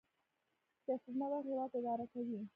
سیاستمدار هیواد اداره کوي